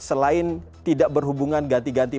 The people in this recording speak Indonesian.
selain tidak berhubungan ganti ganti